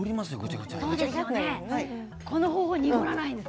この方法濁らないんです。